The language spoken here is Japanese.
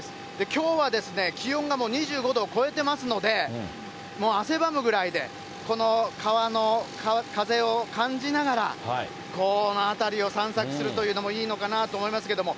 きょうは気温がもう２５度を超えてますので、もう汗ばむぐらいで、この川の風を感じながら、この辺りを散策するというのもいいのかなと思いますけども。